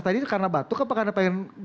tadi itu karena batuk apa karena ingin